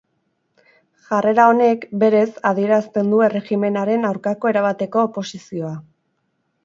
Jarrera honek, berez, adierazten du erregimenaren aurkako erabateko oposizioa.